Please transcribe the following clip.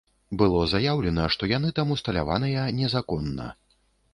Было заяўлена, што яны там усталяваныя незаконна.